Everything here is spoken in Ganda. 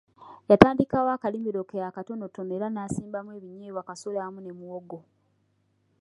Yatandikawo akalimiro ke akatonotono era n'asimbamu ebinyeebwa, kasooli awamu ne muwogo.